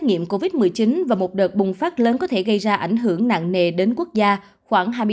nghiệm covid một mươi chín và một đợt bùng phát lớn có thể gây ra ảnh hưởng nặng nề đến quốc gia khoảng hai mươi